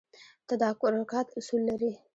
تدارکات اصول لري